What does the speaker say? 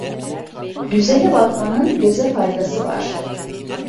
Güzele bakmanın göze faydası var.